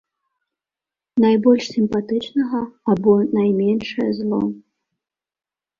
Найбольш сімпатычнага або найменшае зло.